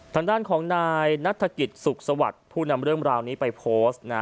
ทางด้านของนายนัฐกิจสุขสวัสดิ์ผู้นำเรื่องราวนี้ไปโพสต์นะ